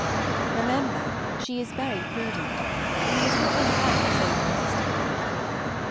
Remember she is very prudent. You must not let her act inconsistently.